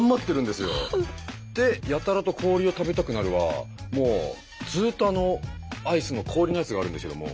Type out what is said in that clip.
で「やたらと氷を食べたくなる」はもうずっとアイスの氷のやつがあるんですけども。